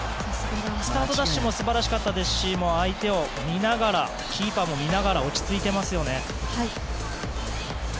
スタートダッシュも素晴らしかったですし相手を見ながらキーパーも見ながら落ち着いていますよね。